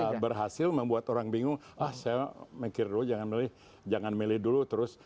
ya berhasil membuat orang bingung ah saya mikir dulu jangan milih jangan milih dulu terus